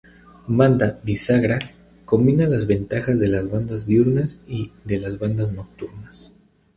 Banda "bisagra", combina las ventajas de las bandas diurnas y de las bandas nocturnas.